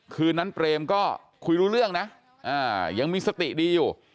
คืนนั้นเปรมก็คุยรู้เรื่องนะยังมีสติดีอยู่